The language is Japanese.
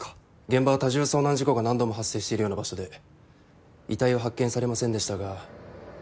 現場は多重遭難事故が何度も発生しているような場所で遺体は発見されませんでしたが。